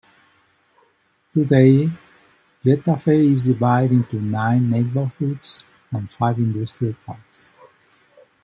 Today, Getafe is divided into nine neighbourhoods and five industrial parks.